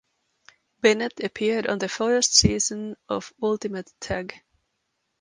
Bennett appeared on the first season of Ultimate Tag.